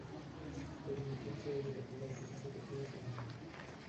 Si la divergencia es negativa, se dice que tiene "sumideros".